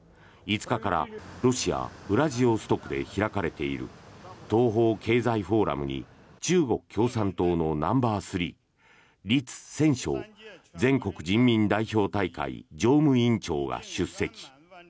５日からロシア・ウラジオストクで開かれている東方経済フォーラムに中国共産党のナンバースリーリツ・センショ全国人民代表大会常務委員長が出席。